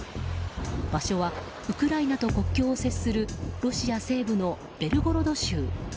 場所はウクライナと国境を接するロシア西部のベルゴロド州。